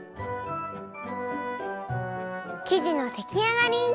きじのできあがり！